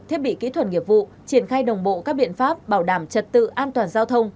thiết bị kỹ thuật nghiệp vụ triển khai đồng bộ các biện pháp bảo đảm trật tự an toàn giao thông